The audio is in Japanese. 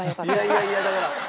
いやいやいやだから。